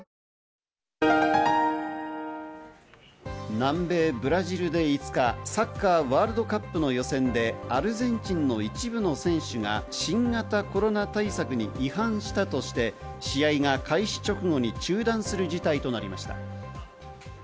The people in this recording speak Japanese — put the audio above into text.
南米ブラジルで５日、サッカーワールドカップの予選でアルゼンチンの一部の選手が新型コロナ対策に違反したとして、試合が開始直後に中断する事態となりました。